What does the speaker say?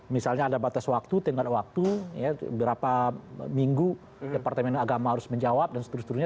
misalnya ada batas waktu tengkat waktu berapa minggu departemen agama harus menjawab dan seterusnya